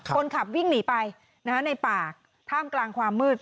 คนขับวิ่งหนีไปในป่าท่ามกลางความมืด